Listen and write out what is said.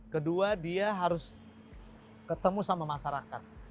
kedua dia harus ketemu sama masyarakat